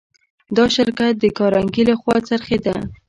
دا شرکت د کارنګي لهخوا خرڅېده